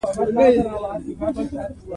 وادي د افغان ښځو په ژوند کې رول لري.